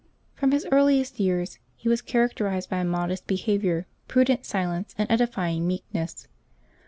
From his earliest years he was characterized by a modest behavior, prudent silence, and edifying meekness.